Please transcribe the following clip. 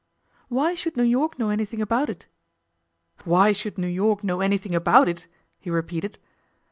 'Why should New York know anything about it?' 'Why should New York know anything about it!' he repeated.